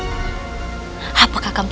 mengapa kau tersenyum